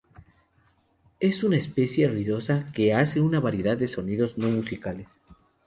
Es una especie ruidosa que hace una variedad de sonidos no musicales.